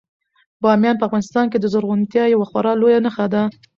بامیان په افغانستان کې د زرغونتیا یوه خورا لویه نښه ده.